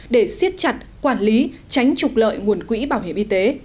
để siết chặt quản lý tránh trục lợi nguồn quỹ bảo hiểm y tế